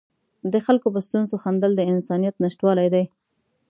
د خلکو په ستونزو خندل د انسانیت نشتوالی دی.